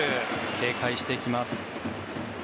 警戒してきます。